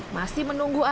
masih menunggu arahan